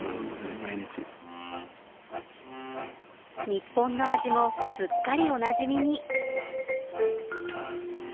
日本の味もすっかりおなじみに。